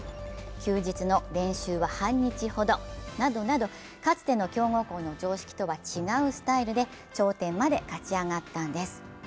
休日の練習は半日ほどなどなど、かつての強豪校の常識とは違うスタイルで頂点まで勝ち上がったんです。